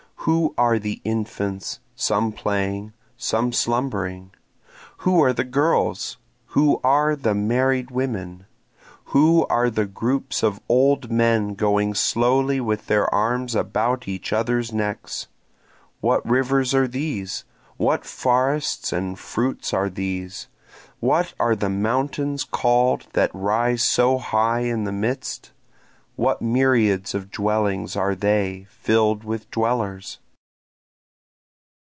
Who are the infants, some playing, some slumbering? Who are the girls? who are the married women? Who are the groups of old men going slowly with their arms about each other's necks? What rivers are these? what forests and fruits are these? What are the mountains call'd that rise so high in the mists? What myriads of dwellings are they fill'd with dwellers?